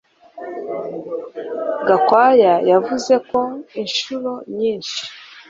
Gakwaya yavuze ko inshuro nyinshi